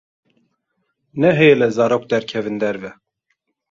Nehêle zarok derkevin derve.